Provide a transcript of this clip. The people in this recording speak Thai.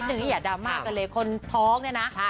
นิดนึงอย่าดรำมากกะเลคนท้องเนี่ยนะ